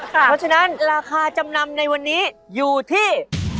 เพราะฉะนั้นราคาจำนำในวันนี้อยู่ที่